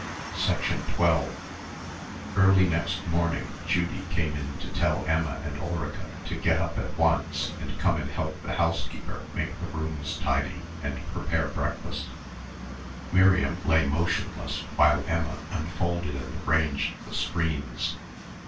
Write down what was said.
12 Early next morning Judy came in to tell Emma and Ulrica to get up at once and come and help the housekeeper make the rooms tidy and prepare breakfast. Miriam lay motionless while Emma unfolded and arranged the screens.